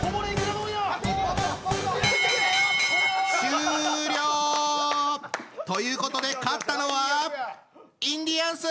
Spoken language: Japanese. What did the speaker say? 終了！ということで勝ったのはインディアンス！